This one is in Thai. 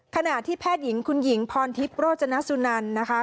ขณะที่แพทย์หญิงคุณหญิงพรทิพย์โรจนสุนันนะคะ